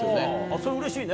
それうれしいね。